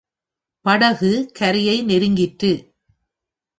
படகு கரையை நெருங்கிற்று.